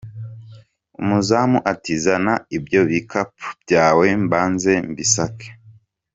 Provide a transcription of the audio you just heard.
Umuzamu ati “Zana ibyo bikapu byawe mbanze mbisake.